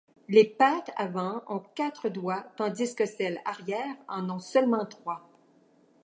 Les pattes avant ont quatre doigts tandis que celles arrière en ont seulement trois.